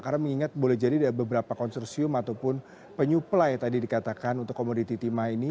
karena mengingat boleh jadi ada beberapa konsorsium ataupun penyuplai tadi dikatakan untuk komoditi timah ini